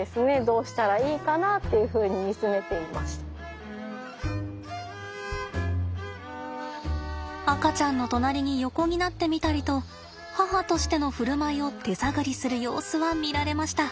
無事に赤ちゃんの隣に横になってみたりと母としての振る舞いを手探りする様子は見られました。